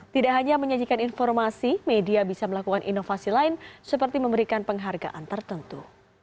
tidak hanya menyajikan informasi media bisa melakukan inovasi lain seperti memberikan penghargaan tertentu